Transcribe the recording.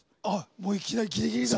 もういきなりギリギリだ。